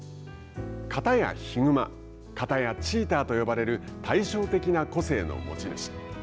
片やヒグマ片やチーターと呼ばれる対照的な個性の持ち主。